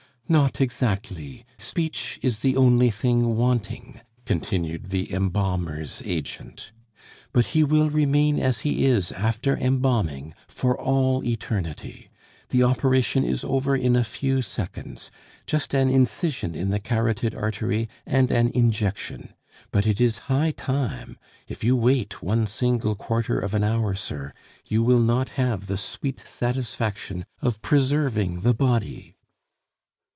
"Not exactly. Speech is the only thing wanting," continued the embalmer's agent. "But he will remain as he is after embalming for all eternity. The operation is over in a few seconds. Just an incision in the carotid artery and an injection. But it is high time; if you wait one single quarter of an hour, sir, you will not have the sweet satisfaction of preserving the body...."